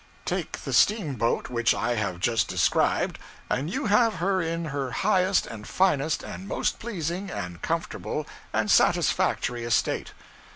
Take the steamboat which I have just described, and you have her in her highest and finest, and most pleasing, and comfortable, and satisfactory estate.